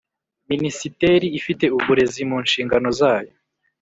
minisiteri ifite uburezi mu nshingano zayo